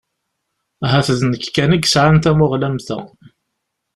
Ahat d nekk kan i yesɛan tamuɣli am ta?